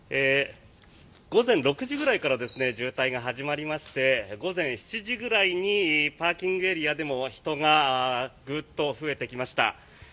午前６時くらいから渋滞が始まりまして午前７時ぐらいにパーキングエリアでも人がグッと増えてきました。